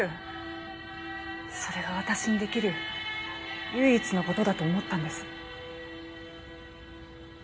それが私にできる唯一の事だと思ったんです。